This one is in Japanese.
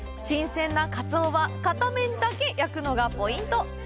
新鮮なカツオは片面だけ焼くのがポイント！